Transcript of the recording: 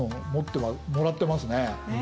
もらってますね。ね。